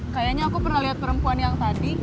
kayaknya aku pernah lihat perempuan yang tadi